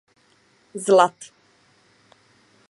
Z lat.